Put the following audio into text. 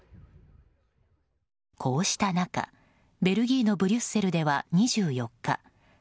こうした中、ベルギーのブリュッセルでは２４日